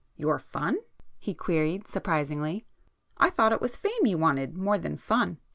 "Your fun?" he queried surprisedly—"I thought it was fame you wanted, more than fun!"